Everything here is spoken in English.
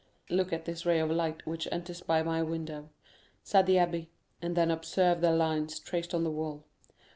"Look at this ray of light which enters by my window," said the abbé, "and then observe the lines traced on the wall.